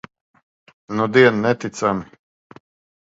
Nudien neticami.